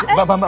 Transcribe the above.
mbak mbak mbak